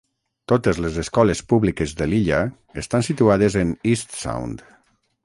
Totes les escoles públiques de l'illa estan situades en Eastsound.